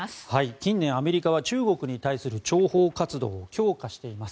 近年、アメリカは中国に対する諜報活動を強化しています。